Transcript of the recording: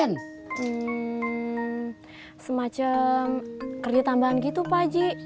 hmm semacam kerja tambahan gitu pak haji